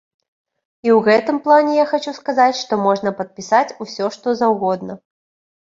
І ў гэтым плане я хачу сказаць, што можна падпісаць усё што заўгодна.